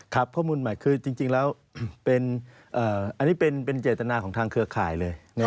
ข้อมูลใหม่คือจริงแล้วอันนี้เป็นเจตนาของทางเครือข่ายเลย